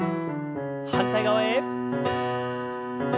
反対側へ。